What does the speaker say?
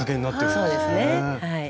そうですねはい。